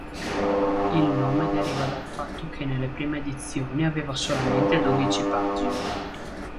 Il nome deriva dal fatto che nelle prime edizioni aveva solamente dodici pagine.